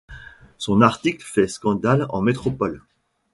Son article fait scandale en métropole.